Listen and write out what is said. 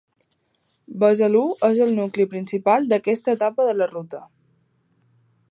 Besalú és el nucli principal d'aquesta etapa de la ruta.